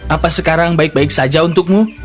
apa sekarang baik baik saja untukmu